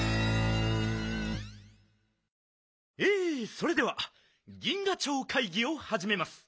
それでは銀河町かいぎをはじめます。